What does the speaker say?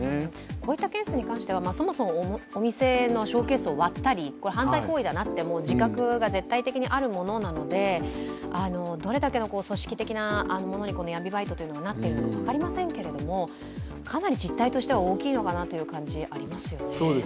こういったケースについては、そもそもお店のショーケースを割ったり犯罪行為だなって自覚が絶対的にあるものなので、どれだけの組織的なものに闇バイトがなっているのか分かりませんけれども、かなり実態としては大きいのかなと思います。